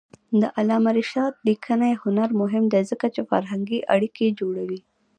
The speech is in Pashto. د علامه رشاد لیکنی هنر مهم دی ځکه چې فرهنګي اړیکې جوړوي.